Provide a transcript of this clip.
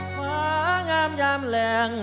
ฟ้างามยามแหลง